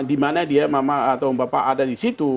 di mana dia mama atau bapak ada di situ